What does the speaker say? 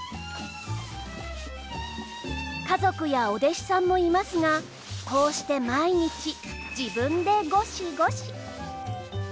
家族やお弟子さんもいますがこうして毎日自分でゴシゴシ。